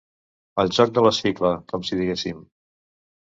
El joc de la sigla, com si diguéssim.